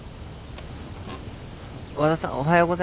あっ和田さんおはようございます。